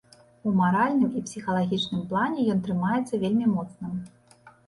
У маральным і псіхалагічным плане ён трымаецца вельмі моцна.